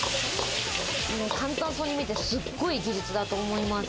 簡単そうに見えてすごい技術だと思います。